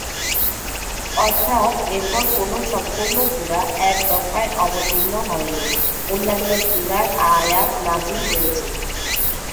অর্থাৎ, এরপর কোন সম্পূর্ণ সূরা একদফায় অবতীর্ণ হয়নি, অন্যান্য সূরার আয়াত নাযিল হয়েছে।